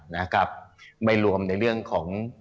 นะครับไม่รวมในเรื่องของ